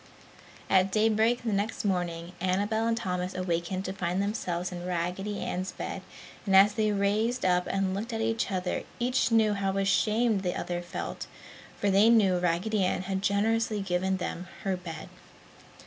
At daybreak the next morning Annabel and Thomas awakened to find themselves in Raggedy Ann's bed and as they raised up and looked at each other each knew how ashamed the other felt, for they knew Raggedy Ann had generously given them her bed.